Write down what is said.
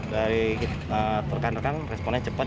dari kita terkandang responnya cepat